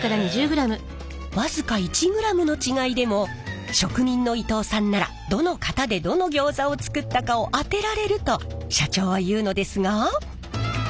僅か１ｇの違いでも職人の伊藤さんならどの型でどのギョーザを作ったかを当てられると社長は言うのですが。